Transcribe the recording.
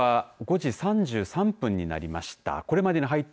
時刻は５時３３分になりました。